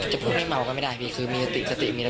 จะพูดไม่เมาก็ไม่ได้ที่มีค๔๐๕๐